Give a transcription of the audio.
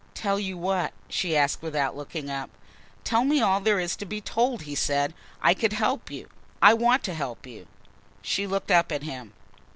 "Tell you what?" she asked, without looking up. "Tell me all there is to be told," he said. "I could help you. I want to help you." She looked up at him.